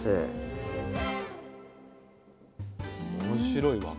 面白い。